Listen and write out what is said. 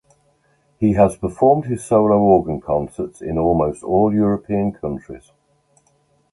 He has performed his solo organ concerts in almost all European countries.